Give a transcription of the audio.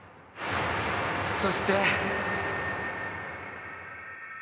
そして。